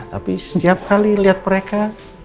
tapi setiap kali lihat mereka